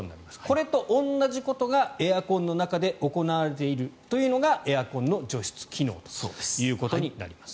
これと同じことがエアコンの中で行われているというのがエアコンの除湿機能ということになります。